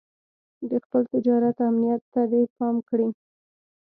د خپل تجارت امنيت ته دې پام کړی.